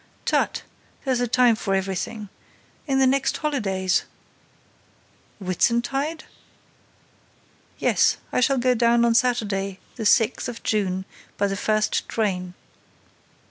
"Tut! There's a time for everything. In the next holidays—" "Whitsuntide?" "Yes—I shall go down on Saturday the sixth of June by the first train."